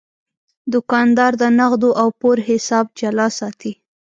دوکاندار د نغدو او پور حساب جلا ساتي.